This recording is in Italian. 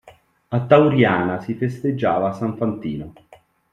A Tauriana si festeggiava San Fantino.